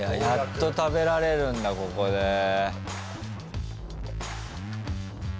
やっと食べられるんだここで。